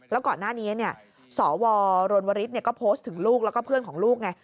แล้วก่อนหน้านี้สวรรณวริสก็โพสต์ถึงลูกแล้วก็เพื่อนของลูกไง